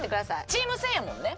チーム戦やもんね？